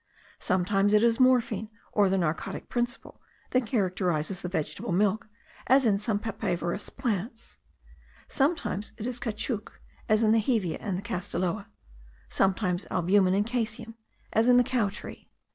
Sometimes it is morphine or the narcotic principle, that characterises the vegetable milk, as in some papaverous plants; sometimes it is caoutchouc, as in the hevea and the castilloa; sometimes albumen and caseum, as in the cow tree.